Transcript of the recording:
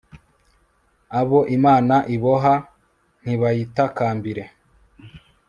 abo imana iboha ntibayitakambire